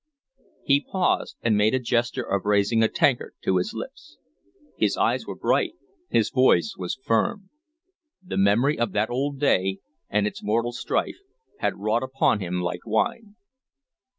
He paused, and made a gesture of raising a tankard to his lips. His eyes were bright, his voice was firm. The memory of that old day and its mortal strife had wrought upon him like wine.